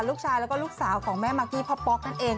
ลูกชายแล้วก็ลูกสาวของแม่มากกี้พ่อป๊อกนั่นเอง